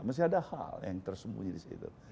mesti ada hal yang tersembunyi disitu